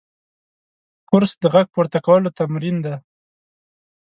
کورس د غږ پورته کولو تمرین دی.